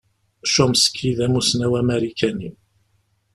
Chomsky d amussnaw amarikani.